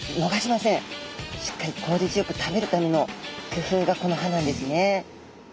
しっかり効率よく食べるためのくふうがこの歯なんですね。